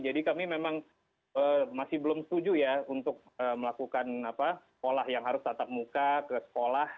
jadi kami memang masih belum setuju ya untuk melakukan sekolah yang harus tatap muka ke sekolah